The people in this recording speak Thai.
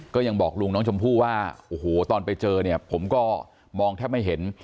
ก็ยังบอกลุงน้องชมพู่ว่าโอ้โหตอนไปเจอเนี่ยผมก็มองแทบไม่เห็น